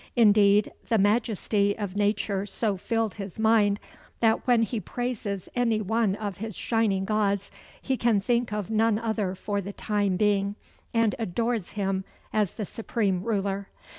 Indeed, the majesty of nature so filled his mind, that when he praises any one of his Shining Gods, he can think of none other for the time being, and adores him as the supreme ruler.